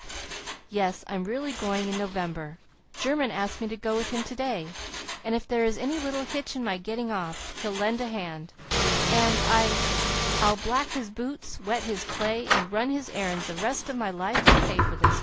"Yes, I'm really going in November. German asked me to go with him to day, and if there is any little hitch in my getting off, he'll lend a hand, and I I'll black his boots, wet his clay, and run his errands the rest of my life to pay for this!"